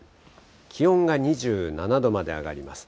気温が２７度まで上がります。